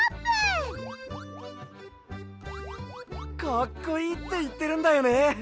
かっこいいっていってるんだよね！